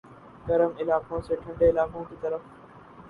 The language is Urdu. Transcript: گرم علاقوں سے ٹھنڈے علاقوں کی طرف